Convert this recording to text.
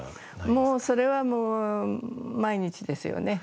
もうそれはもう、毎日ですよね。